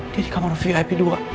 di kamar vip dua